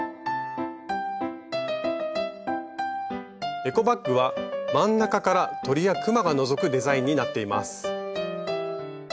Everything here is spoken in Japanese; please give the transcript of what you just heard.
エコバッグは真ん中から鳥やくまがのぞくデザインになっています。